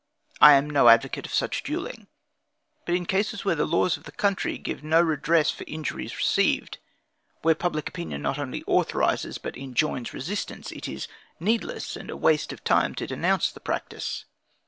I am no advocate of such duelling. But in cases where the laws of the country give no redress for injuries received, where public opinion not only authorizes, but enjoins resistance, it is needless and a waste of time to denounce the practice.